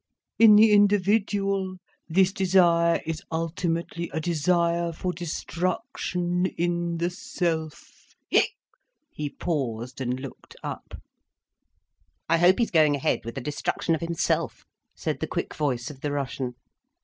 In the individual, this desire is ultimately a desire for destruction in the self'—hic!—" he paused and looked up. "I hope he's going ahead with the destruction of himself," said the quick voice of the Russian.